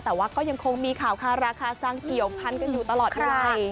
แต่ว่าก็ยังคงมีข่าวคาราคาซังเกี่ยวพันกันอยู่ตลอดเวลา